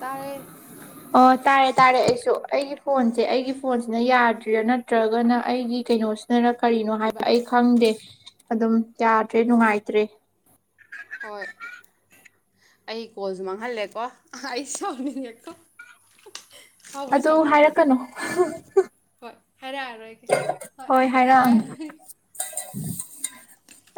ꯇꯔꯦ ꯑꯣ ꯇꯥꯔꯦ ꯇꯥꯔꯦ ꯑꯩꯁꯨ ꯑꯩꯒꯤ ꯐꯣꯟꯁꯦ ꯑꯩꯒꯤ ꯐꯣꯟꯁꯤꯅ ꯌꯥꯗ꯭ꯔꯤꯔꯥ ꯅꯠꯇ꯭ꯔꯒꯅ ꯑꯩꯒꯤ ꯀꯩꯅꯣꯁꯤꯗꯅ ꯀꯔꯤꯅꯣ ꯍꯥꯏꯕ ꯑꯩ ꯈꯪꯗꯦ ꯑꯗꯨꯝ ꯌꯥꯗ꯭ꯔꯦ ꯅꯨꯡꯉꯥꯏꯇ꯭ꯔꯦ ꯍꯣꯏ ꯑꯩ ꯀꯣꯜꯁꯨ ꯃꯥꯡꯍꯜꯂꯦꯀꯣ ꯑꯩ ꯁꯥꯎꯅꯤꯡꯉꯦꯀꯣ ꯁꯥꯎꯕꯩ ꯑꯗꯨ ꯁꯥꯎꯅꯤꯡꯗꯦꯗ ꯍꯥꯏꯔꯛꯀꯥꯅꯨ ꯍꯣꯏ ꯍꯥꯏꯔꯛꯑꯔꯣꯏꯒꯦ ꯍꯣꯏ ꯑꯩ ꯍꯥꯏꯔꯛꯑꯅꯨ ꯍꯥꯏꯔꯛꯑꯔꯣꯏꯒꯦ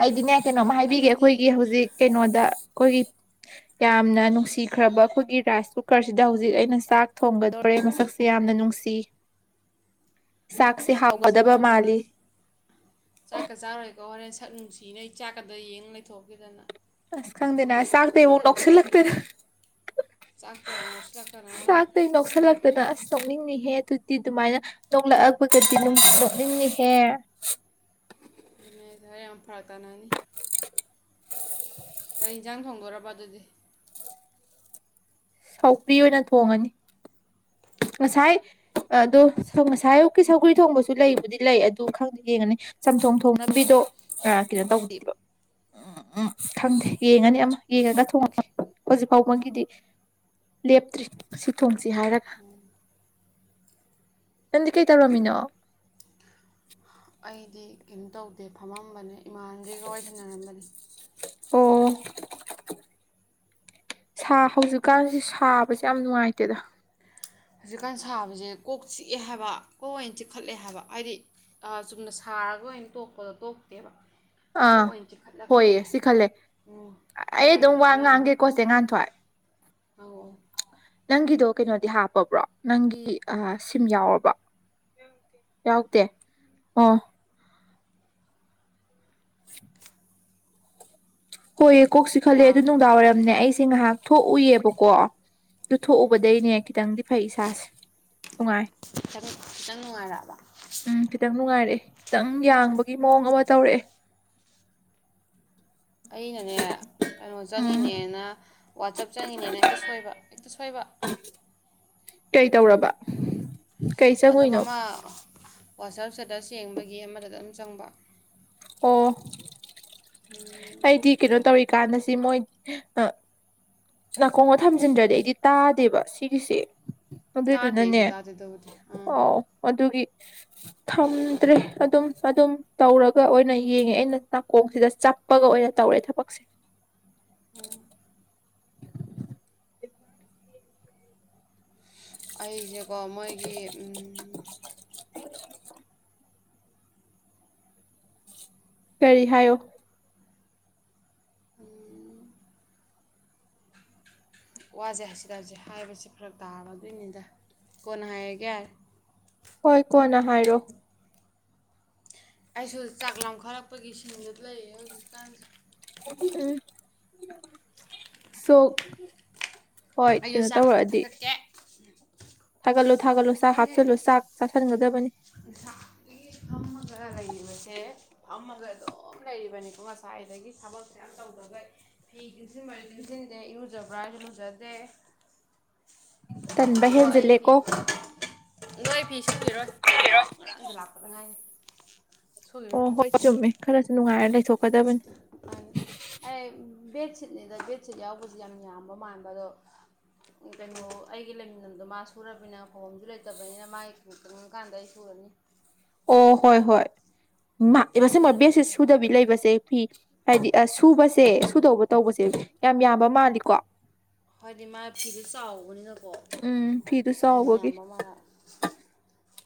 ꯑꯩꯗꯤꯅꯦ ꯀꯩꯅꯣꯝꯃ ꯍꯥꯏꯕꯤꯒꯦ ꯑꯗꯨꯗꯤ ꯑꯩꯈꯣꯏꯒꯤ ꯍꯧꯖꯤꯛ ꯀꯩꯅꯣꯗ ꯑꯩꯈꯣꯏꯒꯤ ꯌꯥꯝ ꯍꯥꯏꯔꯣ ꯌꯥꯝꯅ ꯅꯨꯡꯁꯤ ꯈ꯭ꯔꯕ ꯑꯩꯈꯣꯏꯒꯤ ꯔꯥꯏꯁ ꯀꯨꯀꯔꯁꯤꯗ ꯍꯧꯖꯤꯛ ꯑꯩꯅ ꯆꯥꯛ ꯊꯣꯡꯒꯗꯣꯔꯦ ꯃꯁꯛꯁꯦ ꯌꯥꯝꯅ ꯅꯨꯡꯁꯤ [inaudible] ꯁꯛ ꯅꯨꯡꯁꯤ ꯍꯥꯎꯒꯗꯕ ꯃꯃꯜꯗꯨꯅ ꯃꯥꯜꯂꯤ ꯆꯥꯛꯀ ꯆꯥꯔꯣꯏꯀꯣ ꯍꯣꯔꯦꯟ ꯁꯛ ꯅꯨꯡꯁꯤꯅ ꯑꯩ ꯆꯥꯛꯀꯗ ꯌꯦꯡꯉ ꯂꯩꯊꯣꯛꯈꯤꯗꯅ ꯑꯁ ꯈꯪꯗꯦꯅꯦꯁ ꯁꯥꯥꯛꯇꯦ ꯎ ꯅꯣꯛꯁꯜ ꯂꯥꯛꯇꯦꯅ ꯆꯥꯛꯇꯕ ꯂꯧꯁꯤꯜꯂꯥꯛꯀꯅꯔꯦ ꯁꯣꯛꯅꯤꯡꯉꯍꯦ ꯑꯗꯨꯇꯤ ꯑꯗꯨꯃꯥꯏꯅ ꯅꯣꯛꯂꯛꯑꯄꯒꯗꯤ ꯑꯗꯨꯝ ꯁꯣꯛꯅꯤꯡꯅꯤꯍꯦ ꯅꯦꯗ ꯌꯥꯝ ꯐꯥ ꯇꯅꯅꯤ ꯀꯩ ꯏꯟꯁꯥꯡ ꯊꯣꯡꯗꯣꯔꯔꯕ ꯑꯗꯨꯗꯤ ꯁꯥꯎꯀ꯭ꯔꯤ ꯑꯣꯏꯅ ꯊꯣꯡꯉꯅꯤ ꯉꯁꯥꯏ ꯑꯗꯣ ꯉꯁꯥꯏ ꯑꯨꯀꯤ ꯁꯧꯒ꯭ꯔꯤ ꯊꯣꯡꯕꯁꯨ ꯂꯩꯕꯨꯗꯤ ꯂꯩ ꯑꯗꯨ ꯈꯪꯗꯦ ꯌꯦꯡꯉꯅꯤ ꯆꯝꯊꯣꯡ ꯊꯣꯡ ꯂꯝꯕꯤꯗꯣ ꯀꯩꯅꯣ ꯇꯧꯗꯦꯕ ꯎꯝ ꯎꯝ ꯈꯪꯗꯦ ꯌꯦꯡꯉꯅꯤ ꯑꯃ ꯌꯦꯡꯉꯒ ꯊꯣꯡꯉꯛꯀꯦ ꯍꯧꯖꯤꯛ ꯐꯥꯎꯕꯒꯤꯗꯤ ꯂꯦꯞꯇ꯭ꯔꯤ ꯁꯤ ꯊꯣꯡꯁꯤ ꯍꯥꯏꯔꯒ ꯅꯪꯗꯤ ꯀꯩ ꯇꯧꯔꯝꯃꯤꯅꯣ ꯑꯩꯗꯤ ꯀꯩꯅꯣ ꯇꯧꯗꯦ ꯐꯝꯃꯝꯕꯅꯦ ꯏꯃꯥꯟꯈꯩꯒ ꯋꯥꯔꯤꯁꯟꯅꯔꯝꯕꯅꯤ ꯑꯣ ꯁꯥ ꯍꯧꯖꯤꯛꯀꯥꯟꯁꯤ ꯁꯥꯕꯁꯦ ꯌꯥꯝ ꯅꯨꯡꯉꯥꯏꯇꯦꯗ ꯍꯧꯖꯤꯛꯀꯥꯟ ꯁꯥꯕꯁꯦ ꯀꯣꯛ ꯆꯤꯛꯑꯦ ꯍꯥꯏꯕ ꯀꯣꯛ ꯑꯣꯏꯅ ꯆꯤꯛꯈꯠꯂꯦ ꯍꯥꯏꯕ ꯍꯥꯏꯗꯤ ꯆꯨꯝꯅ ꯁꯥꯔꯒ ꯑ ꯑꯣꯏꯅ ꯇꯣꯛꯄꯗꯣ ꯇꯣꯛꯇꯦꯕ ꯑꯥ ꯀꯣꯛ ꯑꯣꯏꯅ ꯆꯤꯛꯈꯠꯂꯒ ꯂꯩ ꯍꯣꯏꯌꯦ ꯁꯤ ꯍꯥꯏꯕ ꯈꯜꯂꯦ ꯎꯝ ꯑꯩ ꯑꯗꯨꯝ ꯋꯥ ꯉꯥꯡꯒꯦꯀꯣꯁꯦ ꯉꯥꯟ ꯊꯋꯥꯏ ꯑꯥ ꯀꯩꯅꯣꯗꯤ ꯍꯥꯞꯄꯕ꯭ꯔꯣ ꯅꯪꯒꯤ ꯁꯤꯝ ꯌꯥꯎꯔꯕ ꯌꯥꯎꯗꯦ ꯑꯣ [inaudible] ꯍꯣꯏꯌꯦ ꯀꯣꯛꯁꯤ ꯌꯥ ꯈꯜꯂꯦ ꯑꯗꯨ ꯅꯨꯡꯗꯥꯡ ꯋꯥꯏꯔꯝꯅꯦ ꯑꯩꯁꯦ ꯉꯥꯏꯍꯥꯛ ꯊꯣꯛꯎꯏꯑꯕꯀꯣ ꯇꯨꯊꯣꯛꯎꯕꯗꯩꯅꯦ ꯈꯤꯇꯪꯗꯤ ꯐꯩ ꯏꯁꯥꯁꯦ ꯅꯨꯡꯉꯥꯏ ꯈꯤꯇꯪ ꯈꯤꯇꯪ ꯅꯨꯡꯉꯥꯏꯔꯛꯑꯕ ꯎꯝ ꯈꯤꯇꯪ ꯅꯨꯡꯉꯥꯏꯔꯛꯑꯦ ꯈꯤꯇꯪ ꯌꯥꯡꯕꯒꯤ ꯃꯑꯣꯡ ꯑꯃ ꯇꯧꯔꯛꯑꯦ ꯑꯩꯅꯅꯦ ꯀꯩꯅꯣ ꯎꯝ ꯆꯠꯉꯤꯅꯦꯅ ꯋꯥꯆꯞ ꯆꯪꯉꯤꯅꯦꯅ ꯍꯦꯛꯇ ꯁꯣꯏꯕ ꯍꯦꯛꯇ ꯁꯣꯏꯕ ꯀꯩ ꯇꯧꯔꯕ ꯀꯩ ꯑꯗꯨꯝ ꯆꯪꯉꯨꯏꯅꯣ ꯑꯃ ꯋꯥꯆꯞ ꯁꯦꯠ ꯌꯦꯡꯕꯒꯤ ꯑꯃꯗꯗ ꯑꯗꯨꯝ ꯆꯪꯕ ꯑꯣ ꯎꯝ ꯑꯩꯗꯤ ꯀꯩꯅꯣ ꯇꯧꯔꯤꯀꯥꯟꯗꯁꯤ ꯃꯣꯏ ꯑ ꯅꯥꯀꯣꯡꯒꯣ ꯊꯝꯖꯤꯟꯗ꯭ꯔꯗꯤ ꯑꯩꯗꯤ ꯇꯥꯗꯦꯕ ꯁꯤꯒꯤꯁꯦ ꯇꯥꯗꯦ ꯑꯩꯁꯨ ꯑꯗꯨꯏꯗꯨꯅꯅꯦ ꯇꯥꯗꯦ ꯇꯧꯕꯗꯤ ꯑꯥ ꯑꯥꯎ ꯑꯗꯨꯒꯤ ꯊꯝꯗ꯭ꯔꯦ ꯑꯗꯨꯝ ꯑꯗꯨꯝ ꯇꯧꯔꯒ ꯑꯣꯏꯅ ꯌꯦꯡꯉꯦ ꯑꯩꯅ ꯅꯥꯀꯣꯡꯁꯤꯗ ꯆꯞꯄꯒ ꯑꯣꯏꯅ ꯇꯧꯔꯦ ꯊꯕꯛꯁꯦ ꯑꯩꯁꯦꯀꯣ ꯃꯣꯏꯒꯤ [unintelligible] [inaudible] ꯀꯔꯤ ꯍꯥꯏꯌꯣ ꯎꯝ ꯋꯥꯁꯦ ꯍꯥꯏꯁꯤ ꯇꯁꯦ ꯍꯥꯏꯁꯦ ꯐꯔ ꯇꯥꯕ ꯑꯗꯨꯣꯏꯅꯤꯗ ꯀꯣꯟꯅ ꯍꯥꯏꯔꯒꯦꯔꯦ ꯍꯣꯏ ꯀꯣꯅ ꯍꯥꯏꯔꯣ ꯑꯩꯁꯨ ꯆꯥꯛ ꯂꯈꯠꯂꯛꯄꯒꯤ ꯁꯤꯡꯗꯨ ꯂꯩꯌꯦ ꯍꯧꯖꯤꯛꯀꯥꯟꯁꯦ ꯎ ꯁꯣꯛ [unintelligible] [inaudible] ꯍꯣꯏ ꯑꯩꯁꯨ ꯀꯩꯅꯣ ꯆꯥꯛ ꯇꯧꯔꯛꯑꯗꯤ ꯊꯛꯀꯠꯀꯦ ꯊꯥꯒꯠꯂꯣ ꯊꯥꯒꯠꯂꯨ ꯆꯥꯛ ꯍꯥꯞꯤꯜꯂꯣ ꯆꯥꯛ ꯆꯥꯁꯤꯟꯒꯗꯕꯅꯤ ꯏ [unintelligible] [inaudible] ꯐꯝꯃꯒ ꯂꯩꯔꯤꯕꯁꯦ ꯐꯝꯃꯒ ꯑꯗꯨꯝ ꯂꯩꯔꯤꯕꯅꯤꯀꯣ ꯉꯁꯥꯏꯗꯒꯤ ꯊꯕꯛꯁꯦ ꯌꯥꯝ ꯇꯧꯗꯕ ꯑꯗꯨꯒ ꯐꯤ ꯇꯨꯡꯁꯤꯟꯕꯔꯦ ꯇꯨꯡꯁꯤꯟꯗꯦ ꯏꯔꯨꯖꯕ꯭ꯔꯥ ꯍꯥꯏꯁꯨ ꯂꯨꯖꯗꯦ [unintelligible] [inaudible] ꯇꯟꯕ ꯑꯣ ꯑꯩ ꯐꯤ ꯍꯦꯟꯖꯤꯜꯂꯦꯀꯣ ꯅꯣꯏ ꯑꯩ ꯐꯤ ꯁꯨꯕꯤꯔꯣꯏ ꯀꯩꯅꯣ ꯉꯔꯥꯡꯗ ꯂꯥꯛꯄꯗ ꯉꯥꯏꯅꯤ ꯑꯣ ꯍꯣꯏ ꯆꯨꯝꯃꯦ ꯈꯔꯁꯨ ꯅꯨꯡꯉꯥꯏꯔ ꯂꯩ ꯑꯦ ꯕ ꯁꯤꯠꯅꯦꯗ ꯕꯦꯗꯁꯤꯠ ꯌꯥꯎꯕꯁ ꯌꯥꯝ ꯌꯥꯝꯕ ꯃꯥꯟꯕ ꯑꯗꯣ ꯀꯩꯅꯣ ꯑꯩꯒꯤ ꯂꯩꯃꯤ ꯂꯝꯗꯣ ꯃꯥ ꯁꯨꯅꯤꯅ ꯈꯕꯝꯁꯨ ꯂꯩꯇꯕꯅꯤꯅ ꯃꯥꯒꯤ ꯀꯪꯉ ꯀꯥꯟꯗ ꯑꯩ ꯁꯨꯔ ꯑꯣ ꯍꯣꯏ ꯍꯣꯏ ꯑꯗꯨ ꯃꯁꯤꯡ ꯃ ꯕꯦꯦꯛꯁꯦ ꯅꯠꯇ꯭ꯔꯗꯤ ꯁꯨꯗꯕꯤ ꯂꯩꯕꯁꯦ ꯐꯤ ꯍꯥꯏꯗꯤ ꯑ ꯁꯨꯕꯁꯦ ꯁꯨꯗꯧꯕ ꯇꯧꯕꯁꯦ ꯌꯥꯝ ꯌꯥꯝꯕ ꯃꯥꯜꯂꯤꯀꯣ ꯍꯥꯏꯣꯏꯗꯤ ꯃꯥꯥꯏ ꯐꯤꯗꯨ ꯆꯥꯎꯕꯅꯤꯅ ꯎꯝ ꯐꯤꯗꯁ ꯑꯣꯒꯦ ꯃꯥꯜꯂꯦ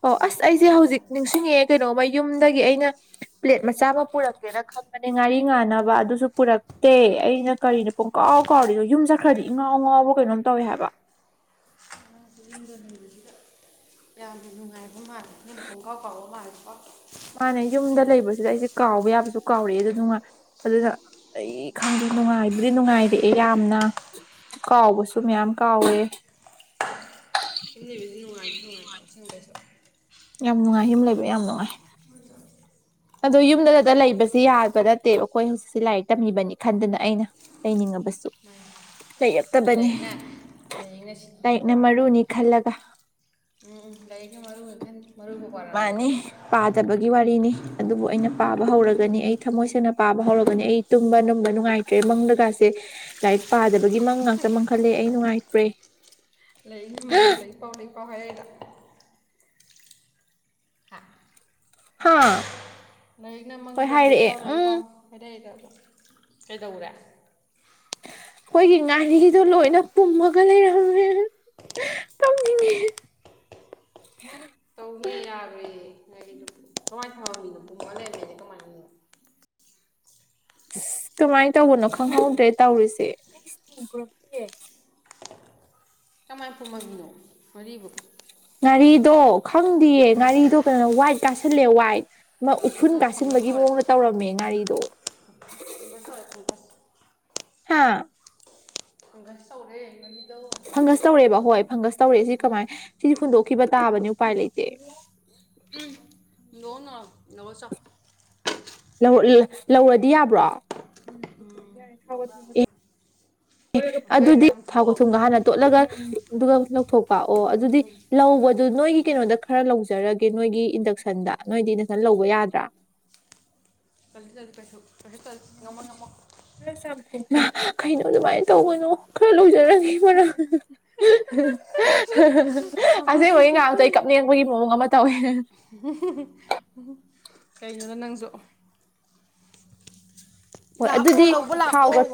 ꯑꯣ ꯑꯃ ꯑꯁ ꯑꯩꯁꯦ ꯌꯥꯝꯕ ꯍꯧꯖꯤꯛ ꯃꯥꯜꯂꯦ ꯅꯤꯡꯁꯤꯡꯉꯑꯦ ꯀꯩꯅꯣꯝꯃ ꯌꯨꯝ ꯗꯒꯤ ꯑꯩꯅ ꯄ꯭ꯂꯦꯠ ꯃꯆꯥ ꯑꯃ ꯄꯨꯔꯛꯀꯦꯅ ꯈꯟꯕꯅꯦ ꯉꯥꯔꯤ ꯉꯥꯟꯅꯕ ꯑꯗꯨꯁꯨ ꯄꯨꯔꯛꯇꯦ ꯑꯩꯅ ꯀꯔꯤꯅꯣ ꯄꯨꯡꯀꯥꯎ ꯀꯥꯎꯔꯤꯗꯣ ꯌꯨꯝ ꯈꯔꯗꯤ ꯏꯉꯥꯎ ꯉꯥꯎꯕ ꯀꯩꯅꯣꯝ ꯇꯧꯏꯦ ꯍꯥꯏꯕ ꯑꯉꯁ ꯌꯨꯝꯗ ꯂꯩꯕꯁꯤꯗ ꯌꯥꯝꯅ ꯅꯨꯡꯉꯥꯏꯕ ꯃꯥꯜꯂꯦ ꯅꯅ ꯈꯣꯡꯒꯥꯎ ꯀꯥꯎꯕ ꯃꯥꯜꯦꯀꯣ ꯃꯥꯅꯦ ꯌꯨꯝꯗ ꯂꯩꯕꯁꯤꯗ ꯑꯩꯁꯦ ꯀꯥꯎꯕ ꯌꯥꯕꯁꯨ ꯀꯥꯎꯔꯛꯑꯦ ꯑꯗꯨ ꯅꯨꯡ ꯉꯥꯏ ꯑꯗꯨꯅ ꯑꯩ ꯈꯪꯗꯦ ꯅꯨꯡꯉꯥꯏꯕꯨꯗꯤ ꯅꯨꯡꯉꯥꯏꯔꯛꯑꯦ ꯌꯥꯝꯅ ꯀꯥꯎꯕꯁꯨ ꯃꯌꯥꯝ ꯀ ꯑꯣꯏꯋꯦ ꯌꯨꯝ ꯂꯩꯕꯁꯤ ꯅꯨꯡꯉꯥꯏꯁꯨ ꯅꯨꯡꯉꯥꯏꯀꯣ ꯑꯁꯦꯡꯕꯩꯁꯨ ꯌꯥꯝ ꯅꯨꯡꯉꯥꯏ ꯌꯨꯝ ꯂꯩꯕ ꯌꯥꯝ ꯅꯨꯡꯉꯥꯏ ꯑꯗꯣ ꯌꯨꯝꯗ ꯂꯩꯕꯁꯦ ꯌꯥꯕ ꯅꯠꯇꯦꯕ ꯑꯩꯈꯣꯏ ꯍꯧꯖꯤꯛꯁꯦ ꯂꯥꯏꯔꯤꯛ ꯇꯝꯃꯤꯕꯅꯤ ꯈꯟꯗꯅ ꯑꯩꯅ ꯂꯩꯅꯤꯡꯉꯕꯁꯨ ꯂꯩꯔꯛꯇꯕꯅꯤ ꯂꯥꯏꯔꯤꯛꯅ ꯂꯥꯏꯔꯤꯛꯅ ꯁꯤꯀꯤꯕ ꯂꯥꯏꯔꯤꯛꯅ ꯋꯥꯔꯝꯃꯣꯏ ꯃꯔꯨꯅꯤ ꯈꯜꯂꯒ ꯎꯝ ꯂꯩꯥꯏꯒ ꯃꯔ ꯃꯔ ꯃꯥꯅꯤ ꯄꯥꯗꯕꯒꯤ ꯋꯥꯔꯤꯅꯤ ꯑꯗꯨꯕꯨ ꯑꯩꯅ ꯄꯥꯕ ꯍꯧꯔꯒꯅꯤ ꯑꯩ ꯊꯃꯣꯏ ꯁꯦꯡꯅ ꯄꯥꯕ ꯍꯧꯔꯛꯄ ꯅꯦ ꯑꯩ ꯇꯨꯝꯕ ꯨꯝꯕ ꯅꯨꯡꯉꯥꯏꯇ꯭ꯔꯦ ꯃꯪꯗꯀꯥꯁꯦ ꯂꯥꯏꯔꯤꯛ ꯄꯥꯗꯕꯒꯤ ꯃꯪ ꯉꯥꯛꯇ ꯃꯥꯡꯈꯜꯂꯦ ꯑꯩ ꯅꯨꯡꯉꯥꯏꯇ ꯇ꯭ꯔꯦ ꯂꯩꯨꯝ ꯃꯈꯩꯁꯨ ꯂꯩ ꯄꯥꯎ ꯂꯩ ꯄꯥꯎ ꯍꯥꯏ ꯑ [inaudible] ꯍꯥꯥ ꯂꯥꯏꯔꯤꯛꯅ ꯃꯪꯗ ꯂꯩꯐꯥꯎ ꯂꯩꯕꯥꯎ ꯍꯥꯏꯗꯩꯗꯝ ꯀꯩꯗꯧꯔꯦ ꯑꯩꯈꯣꯏꯒꯤ ꯉꯥꯔꯤꯗꯣ ꯂꯣꯏꯅ ꯄꯨꯝꯃꯒ ꯂꯩꯔꯝꯃꯦ ꯀꯥꯞꯅꯤꯡꯉꯦ꯫꯫ [unintelligible] ꯇꯧꯅꯤ ꯌꯥꯔꯣꯏꯌꯦ ꯅꯣꯏꯗꯤ꯫꯫ [unintelligible] [unintelligible] ꯀꯃꯥꯏꯅ ꯇꯧꯕꯅꯣ ꯈꯪꯍꯧꯗ꯭ꯔꯦ ꯇꯧꯔꯤꯁꯦ꯫ ꯀꯃꯥꯏ ꯄꯨꯝ ꯃꯝꯃꯤꯅꯣ ꯉꯥꯔꯤꯕꯨ꯫ ꯉꯥꯔꯤꯗꯣ ꯈꯪꯗꯌꯦ ꯉꯥꯔꯤꯗꯣ ꯀꯩꯅꯣ ꯋꯥꯏꯠ ꯀꯥꯁꯤꯜꯂꯑꯦ ꯋꯥꯏꯠ꯫ ꯑꯃ ꯎꯐꯨꯟ ꯎꯝ ꯐꯪꯒꯁ ꯀꯥꯁꯤꯟꯕꯒꯤ ꯇꯧꯔꯦ ꯃꯑꯣꯡꯗ ꯇꯧꯔꯝꯃꯦ ꯉꯥꯔꯤꯗꯣ꯫ ꯐꯪꯒꯁ ꯇꯧꯔꯦ ꯐꯪꯒꯁ ꯍꯥꯥ꯫ ꯐꯪꯒꯁ ꯇꯧꯔꯦ ꯅꯪꯒꯤ ꯐꯪꯒꯁ ꯇꯧꯔꯛꯑꯦꯕ ꯍꯣꯏ ꯐꯪꯒꯁ ꯇꯧꯔꯛꯑꯦ ꯁꯤ ꯎꯝ ꯀꯃꯥꯏꯅ ꯁꯤꯗꯤ ꯍꯨꯟꯗꯣꯛꯈꯤꯕ ꯇꯥꯕꯅꯤ꯫ ꯎꯄꯥꯏ ꯂꯩꯇꯦ꯫ ꯍꯨꯟꯗꯣꯛꯎꯅꯣ ꯂꯧꯔ ꯆꯥꯎ꯫ ꯂꯧ ꯂꯧꯔꯗꯤ ꯌꯥꯕ꯭ꯔꯣ꯫ [unintelligible] ꯍꯥꯏꯐꯦꯠ ꯑꯗꯨꯗꯤ ꯊꯥꯎꯒ ꯆꯥꯝꯊꯣꯛꯑꯣ ꯊꯨꯝꯒ ꯍꯥꯟꯅ ꯇꯣꯠꯂꯒ ꯑꯗꯨꯒ ꯂꯧꯊꯣꯛꯄ ꯑꯣ ꯑꯗꯨꯗꯤ ꯂꯧꯕꯗꯨ ꯅꯣꯏꯒꯤ ꯅꯣꯏꯒꯤ ꯀꯩꯅꯣꯗ ꯈꯔ ꯂꯧꯖꯔꯒꯦ ꯅꯣꯏꯒꯤ ꯏꯟꯗꯛꯁꯟꯗ ꯅꯣꯏꯗꯤ ꯏꯟꯗꯛꯁꯟ ꯂꯧꯕ ꯌꯥꯗ꯭ꯔꯥ꯫ ꯇꯜꯂꯤ ꯇꯜꯂꯤ ꯀꯩꯁꯨ꯫ ꯀꯩꯁꯨ ꯇꯜꯂꯤ ꯉꯝꯃꯣ ꯉꯝꯃꯣ [unintelligible] ꯃꯥ ꯀꯩꯅꯣ ꯑꯗꯨꯃꯥꯏꯅ ꯇꯧꯒꯅꯣ ꯈꯔ ꯂꯧꯖꯔꯅꯤ ꯃꯔꯥꯡ꯫ ꯑꯁꯦꯡꯕꯒꯤ ꯉꯥꯏꯍꯥꯛꯇꯣ ꯑꯩ ꯀꯞꯅꯤꯡ ꯉꯛꯄꯒꯤ ꯃꯑꯣꯡ ꯑꯃ ꯇꯧꯋꯦ꯫ ꯀꯩꯅꯣꯗ ꯅꯪꯁꯨ꯫ ꯍꯣꯏ ꯂꯥꯛꯑꯣ ꯑꯗꯨꯗꯤ ꯂꯧꯕ ꯊꯥꯎꯒ꯫ ꯂꯥꯛꯑꯣ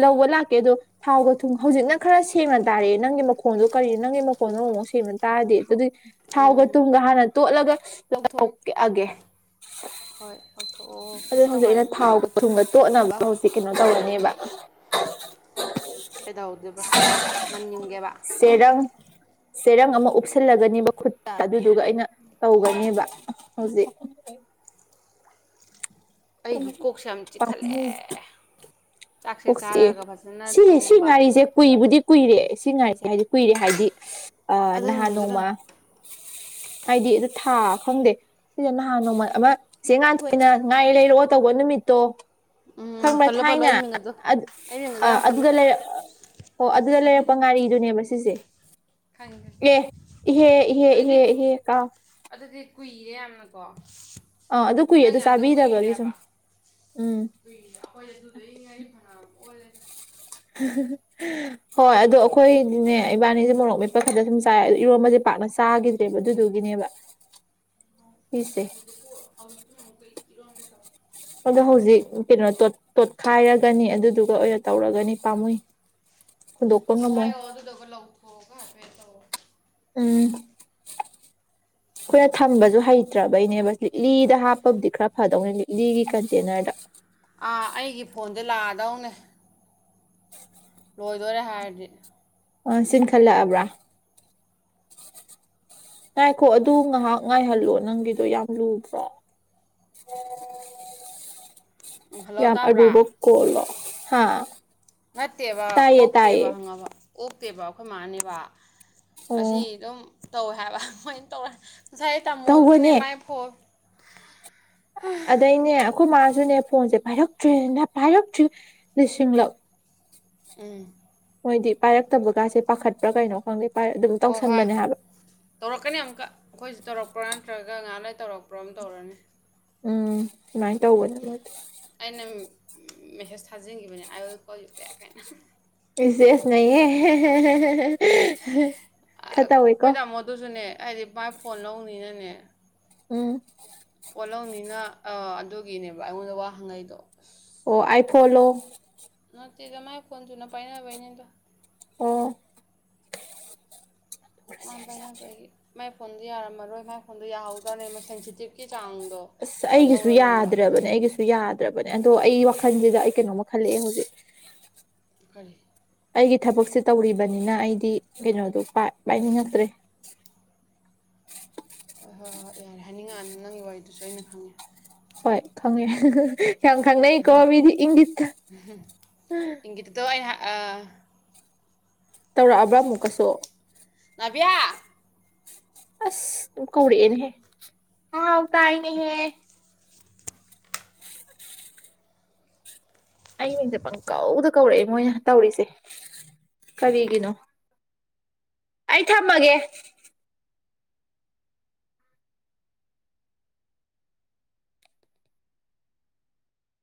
ꯂꯧꯕ ꯂꯥꯛꯀꯦ ꯑꯗꯣ ꯊꯥꯎꯒ ꯊꯨꯝ ꯍꯧꯖꯤꯛꯅ ꯈꯔ ꯁꯦꯡꯅ ꯇꯥꯔꯑꯦ ꯅꯪꯒꯤ ꯃꯈꯣꯟꯗꯣ ꯀꯔꯤꯅꯣ ꯅꯪꯒꯤ ꯃꯈꯣꯟꯗꯣ꯫ ꯑꯃꯣꯛ ꯃꯣꯛ ꯁꯦꯡꯅ ꯇꯥꯔꯗꯤ ꯑꯗꯨꯏ꯫ ꯊꯥꯎꯒ ꯎꯝ ꯇꯨꯝꯒ ꯍꯥꯟꯅ ꯇꯣꯠꯂꯒ ꯂꯧꯊꯣꯛꯑꯒꯦ꯫ ꯍꯣꯏ ꯂꯧꯊꯣꯛꯑꯣ ꯑꯗꯨ ꯀꯨꯁꯤ ꯍꯧꯖꯤꯛ ꯑꯩꯅ ꯇꯧꯈꯥꯏꯔꯣ꯫ ꯊꯥꯎꯒ ꯊꯨꯝꯒ ꯇꯣꯠꯅꯕ ꯍꯧꯖꯤꯛ ꯀꯩꯅꯣ ꯇꯧꯔꯅꯦꯕ꯫ ꯀꯩꯗꯧꯗꯣꯏꯕ ꯃꯟꯌꯨꯡꯒꯦꯕ꯫ ꯎꯞꯁꯤꯜꯂꯒꯅꯦꯕ ꯈꯨꯠꯇ ꯑꯗꯨꯗꯨꯒ ꯑꯩꯅ ꯇꯧꯒꯅꯦꯕ ꯍꯧꯖꯤꯛ꯫ ꯑꯩꯗꯤ ꯀꯣꯛꯁꯦ ꯌꯥꯝ ꯆꯤꯛꯈꯠꯂꯦ [unintelligible] ꯆꯥꯛꯁꯦ ꯀꯣꯛꯆꯤꯛꯑꯦ ꯆꯥꯔꯒ ꯐꯖꯅ ꯁꯤ ꯁꯤ ꯇꯨꯝꯕ ꯉꯥꯔꯤꯁꯦ ꯀꯨꯏꯕꯨꯗꯤ ꯀꯨꯏꯔꯦ꯫ ꯁꯤ ꯉꯔꯤꯁꯦ ꯍꯥꯏꯗꯤ ꯀꯨꯏꯔꯦ ꯍꯥꯏꯗꯤ ꯑ ꯑꯗꯨꯅꯅꯦ ꯅꯍꯥꯟ ꯅꯣꯡꯃ꯫ ꯑꯗꯨꯅꯅꯦ ꯍꯥꯏꯗꯤ ꯑꯗꯨ ꯊꯥ ꯈꯪꯗꯦ ꯁꯤꯗ ꯅꯍꯥꯟ ꯅꯣꯡꯃ ꯑꯃ ꯆꯦ ꯉꯥꯟꯊꯣꯏꯅ ꯉꯥꯔꯤ ꯂꯩ ꯑꯣ ꯇꯧꯕ ꯅꯨꯃꯤꯠꯇꯣ꯫ ꯎꯝ ꯈꯪꯕ꯭ꯔꯥ ꯄꯜꯂꯣ ꯄꯜꯂꯣ ꯊꯥꯏꯅ ꯑꯩ ꯃꯤꯡ ꯑꯗꯣ ꯑꯩ ꯃꯤꯡ ꯑꯗꯣ ꯑ ꯌꯥꯝ ꯄꯜꯂꯨ ꯑꯗꯨꯗ ꯂꯩꯔꯛ ꯑꯣ ꯑꯗꯨꯗ ꯂꯩꯔꯛꯄ ꯉꯥꯔꯤꯗꯨꯅꯦꯕ ꯁꯤꯁꯦ꯫ ꯈꯪꯉꯦ ꯑꯦ ꯏꯍꯦ ꯏꯍꯦ ꯑꯗꯨꯗꯤ ꯏꯍꯦ ꯏꯍꯦ ꯀꯥꯎꯏ꯫ ꯑꯗꯨꯗꯤ ꯀꯨꯏꯔꯦ ꯌꯥꯝꯅꯀꯣ꯫ ꯑꯥ ꯑꯗꯨ ꯀꯨꯏꯌꯦ ꯑꯗꯨ ꯆꯥꯕꯤꯗꯕꯒꯤ ꯁꯨꯝ꯫ ꯎꯝ ꯑꯈꯣꯏ ꯑꯗꯨꯗꯩꯩ ꯉꯥꯔꯤ ꯐꯥꯅꯌꯥꯝ ꯑꯣꯜꯂ ꯍꯣꯏ ꯑꯗꯣ ꯑꯩ ꯈꯣꯏꯗꯤꯅꯦ ꯏꯕꯥꯅꯤꯁꯦ ꯃꯣꯔꯣꯛ ꯃꯦꯠꯄ ꯈꯛꯇ ꯁꯨꯝ ꯆꯥꯏ꯫ ꯏꯔꯣꯝꯕꯁꯦ ꯄꯥꯛꯅ ꯆꯥꯈꯤꯗ꯭ꯔꯦꯕ ꯑꯗꯨꯗꯨꯒꯤꯅꯦꯕ꯫ ꯁꯤꯁꯦ [inaudible] ꯑꯗꯣ ꯍꯧꯖꯤꯛ ꯀꯩꯅꯣ ꯇꯣꯠ ꯇꯣꯠꯈꯥꯏꯔꯒꯅꯤ ꯑꯗꯨꯗꯨꯒ ꯑꯣꯏꯅ ꯇꯧꯔꯒꯅꯤ ꯄꯥꯝꯃꯨꯏ꯫ ꯍꯨꯟꯗꯣꯛꯄ ꯑꯗꯨ ꯉꯝꯃꯣꯏ ꯈꯥꯏꯌꯣꯑꯣ ꯑꯗꯨꯗꯒ ꯂꯧꯊꯣꯛꯑꯣꯒ꯫ ꯎꯝ ꯑꯩꯈꯣꯏꯅ ꯊꯝꯕꯁꯨ ꯍꯩꯇ꯭ꯔꯕꯩꯅꯦꯕ꯫ ꯂꯤꯛꯂꯤꯗ ꯍꯥꯞꯄꯕꯨꯗꯤ ꯈꯔ ꯐꯗꯧꯅꯤ ꯂꯤꯠꯂꯤꯒꯤ ꯀꯟꯇꯦꯅꯔꯗ꯫ ꯑꯗꯨ ꯂꯥꯛꯑꯗꯧꯅꯦ꯫ ꯂꯣꯏꯗꯣꯔꯦ ꯍꯥꯏꯔꯗꯤ ꯑ ꯆꯟꯈꯠꯂꯛꯑꯕ꯭ꯔꯥ ꯉꯥꯏꯈꯣ ꯑꯗꯨ ꯉꯥꯏꯍꯥꯛ ꯉꯥꯏꯍꯜꯂꯣ ꯅꯪꯒꯤꯗꯣ ꯌꯥꯝ ꯂꯨꯗ꯭ꯔꯣ ꯎꯝ ꯍꯜꯂꯣ ꯑꯣ ꯔ ꯇꯥꯕ꯭ꯔꯥ ꯔꯨꯕꯣꯛ ꯀꯣꯂꯣ ꯍꯥꯥ ꯅꯠꯇꯦꯕ ꯑꯣꯛꯇꯦꯕ ꯍꯪꯉꯕ ꯑꯣꯛꯇꯦꯕ ꯑꯩꯈꯣꯏ ꯃꯥꯅꯦꯕ ꯑꯁꯤ ꯑꯣ ꯑꯗꯨꯝ ꯇꯧꯋꯦ ꯍꯥꯏꯕ ꯑꯗꯨꯃꯥꯏꯅ ꯇꯧꯔꯦ ꯉꯁꯥꯏ ꯇꯥꯃꯣꯜꯁꯨꯅꯦ ꯇꯧꯕꯅꯦ ꯃꯥꯏ ꯐꯣꯟ ꯑꯗꯩꯅꯦ ꯑꯩꯈꯣꯏ ꯃꯥꯁꯨꯅꯦ ꯐꯣꯟꯁꯦ ꯄꯥꯏꯔꯛꯇ꯭ꯔꯔꯤꯅ ꯄꯥꯏꯔꯛꯇ꯭ꯔꯤ ꯂꯤꯁꯤꯡꯂꯛ ꯎꯝ ꯃꯣꯏꯗꯤ ꯄꯥꯏꯔꯛꯇꯕꯒꯥꯁꯦ ꯄꯥꯈꯠꯄ꯭ꯔꯥ ꯀꯩꯅꯣ ꯈꯪꯗꯦ ꯑꯗꯨꯝ ꯍꯣꯏ ꯍꯣꯏ ꯇꯧꯁꯟꯕꯅꯦ ꯍꯥꯏꯕ ꯇꯧꯔꯛꯀꯅꯤ ꯑꯃꯨꯛꯀ ꯑꯩꯈꯣꯏ ꯇꯧꯔꯛꯄ꯭ꯔꯥ ꯅꯠꯇ꯭ꯔꯒ ꯑꯉꯍꯥꯡꯅ ꯇꯧꯔꯛꯄ꯭ꯔꯥ ꯑꯃ ꯇꯧꯔꯅꯤ ꯎꯝ ꯁꯨꯃꯥꯏꯅ ꯇꯧꯕꯅꯤ ꯑꯩꯅ ꯃꯦꯁꯦꯁ ꯊꯥꯖꯤꯟꯈꯤꯕꯅꯤ I will call you back ꯍꯥꯏꯅ ꯁꯦꯁ ꯅꯌꯦ ꯈꯇꯥ ꯑꯣꯏꯣꯏ ꯀꯣ ꯑꯩꯈꯣꯏ ꯑ ꯎꯝ ꯄꯣꯠꯂꯧꯅꯤꯅ ꯑꯗꯨꯒꯤꯅꯦꯕ ꯑꯩꯉꯣꯟꯗ ꯋꯥꯍꯪꯉꯩꯗꯣ ꯑꯣ ꯑꯥꯏ ꯐꯣꯟꯜꯣ ꯅꯠꯇꯦꯗ ꯃꯥꯏ ꯐꯣꯟꯁꯨꯨꯅ ꯄꯥꯏꯅꯕꯩꯅꯦꯗꯣ ꯑꯣ ꯃꯥ ꯐꯩ ꯐꯩ ꯃꯥꯏ ꯐꯣꯟꯗꯨꯣ ꯌꯥꯔꯝꯃꯔꯣꯏ ꯃꯥꯏ ꯐꯣꯟꯗꯨꯣ ꯌꯥꯍꯧꯗꯔꯦ ꯃꯣꯏ ꯁꯦꯟꯁꯤꯇꯤꯞꯀꯤ ꯆꯥꯡꯗꯣ ꯑꯁ ꯑꯩꯒꯤꯁꯨ ꯋꯥꯠꯍꯧꯔꯕꯅꯦꯕ ꯌꯥꯗ꯭ꯔꯕꯅꯦ ꯑꯩꯒꯤꯁꯨ ꯌꯥꯗ꯭ꯔꯕꯅꯦ ꯑꯗꯣ ꯑꯩ ꯋꯥꯈꯜꯁꯤꯗ ꯑꯩ ꯀꯩꯅꯣꯝꯃ ꯈꯜꯂꯛꯦ ꯍꯧꯖꯤꯛ ꯐꯔꯤ ꯑꯩꯒꯤ ꯊꯕꯛꯁꯦ ꯇꯧꯔꯤꯕꯅꯤꯅ ꯑꯩꯗꯤ ꯀꯩꯅꯣꯗꯣ ꯄꯥꯏꯅꯤꯡꯉꯛꯇ꯭ꯔꯦ [unintelligible] ꯍꯣꯏ ꯍꯣꯏ ꯍꯣꯏ ꯌꯥꯔꯦ ꯍꯥꯏꯅꯤꯡꯉꯛ ꯅꯪꯒꯤ ꯋꯥꯔꯤꯗꯨꯁꯨ ꯑꯩꯅ ꯈꯪꯉꯦ ꯍꯣꯏ ꯈꯪꯉ ꯌꯥꯝ ꯈꯪꯅꯩꯀꯣ ꯃꯤꯗꯤ ꯏꯪꯂꯤꯁꯇ ꯑꯥ ꯇꯧꯔꯛꯑꯕ꯭ꯔꯥ ꯑꯃꯨꯛꯀꯁꯨ ꯅꯚꯌꯥ ꯑꯁ ꯀꯧꯔꯤꯌꯦꯅꯦ ꯍꯦ ꯑ ꯇꯥꯏꯅꯤ ꯍꯦ ꯑꯩ ꯃꯤꯡꯁ ꯄꯪ ꯀꯧꯗ ꯀꯧꯔꯛꯑꯦ ꯃꯣꯏꯅ ꯇꯧꯔꯤꯁꯦ ꯀꯔꯤꯒꯤꯅꯣ ꯑꯩ ꯊꯝꯃꯒꯦ